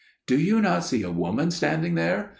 "'Do you not see a woman standing there?